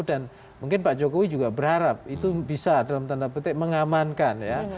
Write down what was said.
dan mungkin pak jokowi juga berharap itu bisa dalam tanda petik mengamankan ya